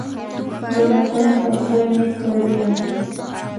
Runakunaq ukhunmi tunuyan.